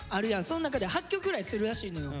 その中で８曲ぐらいするらしいのよ。